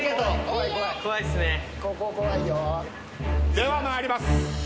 では参ります。